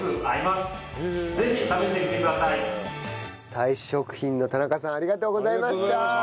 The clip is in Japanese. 太子食品の田中さんありがとうございました！